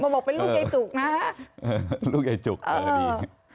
มาบอกเป็นลูกเยจุกนะฮะลูกเยจุกเออ